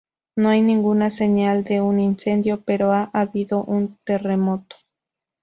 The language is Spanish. No hay ninguna señal de un incendio, pero ha habido un terremoto.